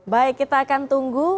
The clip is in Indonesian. baik kita akan tunggu